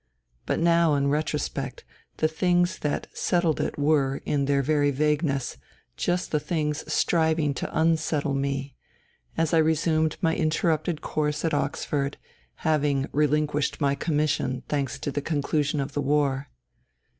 '* But now, in retro spect, the things that " settled it '* were, in their very vagueness, just the things striving to unsettle me, as I resumed my interrupted course at Oxford, having relinquished my commission," thanks to the conclusion of the war.